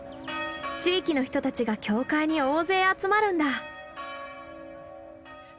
地域の人たちが教会に大勢集まるんだ。